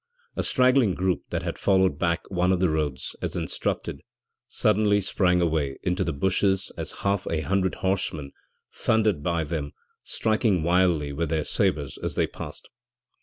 A straggling group that had followed back one of the roads, as instructed, suddenly sprang away into the bushes as half a hundred horsemen thundered by them, striking wildly with their sabres as they passed.